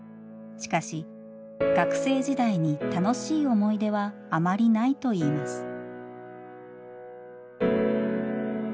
しかし学生時代に楽しい思い出はあまりないといいます。